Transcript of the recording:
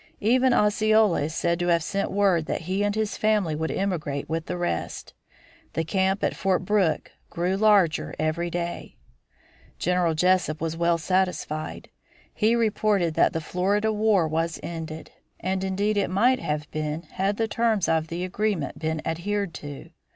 Even Osceola is said to have sent word that he and his family would emigrate with the rest. The camp at Fort Brooke grew larger every day. General Jesup was well satisfied. He reported that the Florida war was ended. And indeed it might have been had the terms of the agreement been adhered to.